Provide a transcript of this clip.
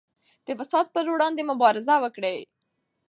د فساد پر وړاندې مبارزه وکړئ.